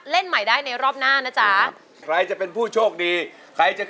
เพลงนี้อยู่ในอาราบัมชุดแรกของคุณแจ็คเลยนะครับ